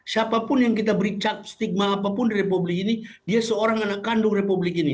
siapapun yang kita beri stigma apapun di republik ini dia seorang anak kandung republik ini